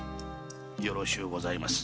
よろしゅうございます。